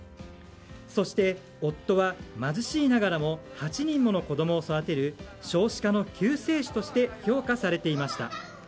そして、夫は貧しいながらも８人もの子供を育てる少子化の救世主として評価されていました。